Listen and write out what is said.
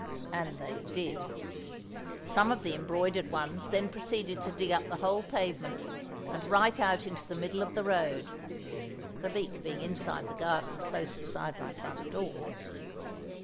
And they did. Some of the embroidered ones then proceeded to dig up the whole pavement, and right out into the middle of the road (the leak being inside the garden, close beside my front door!).